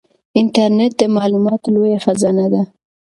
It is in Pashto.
انټرنیټ د معلوماتو لویه خزانه ده.